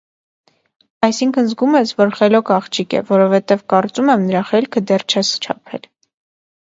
- Այսինքն զգում ես, որ խելոք աղջիկ է, որովհետև կարծում եմ, նրա խելքը դեռ չես չափել: